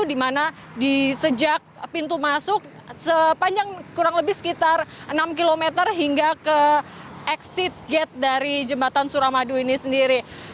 di mana di sejak pintu masuk sepanjang kurang lebih sekitar enam km hingga ke exit gate dari jembatan suramadu ini sendiri